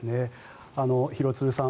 廣津留さん